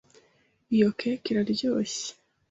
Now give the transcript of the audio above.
Izoi keke iraryoshye.